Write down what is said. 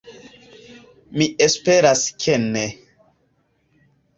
Mi esperas ke ne.